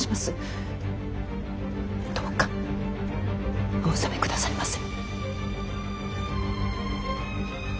どうかお収め下さいませ。